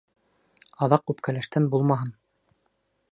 Аҙаҡ үпкәләштән булмаһын.